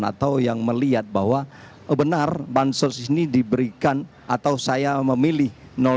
atau yang melihat bahwa benar bansos ini diberikan atau saya memilih dua